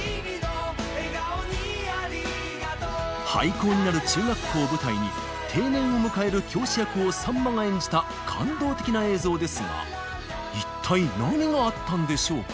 廃校になる中学校を舞台に定年を迎える教師役をさんまが演じた感動的な映像ですが一体何があったんでしょうか？